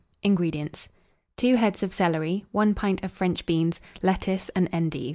INGREDIENTS. 2 heads of celery, 1 pint of French beans, lettuce, and endive.